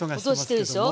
音してるでしょ。